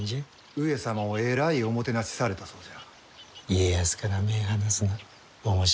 上様をえらいおもてなしされたそうじゃ。